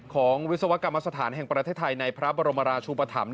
วิศวกรรมสถานแห่งประเทศไทยในพระบรมราชุปธรรม